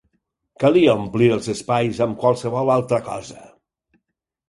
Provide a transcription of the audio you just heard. Calia omplir els espais amb qualsevol altra cosa